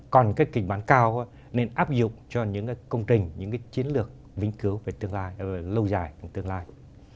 còn cái kịch bản cao nên áp dụng cho những công trình những chiến lược vĩnh cứu về tương lai lâu dài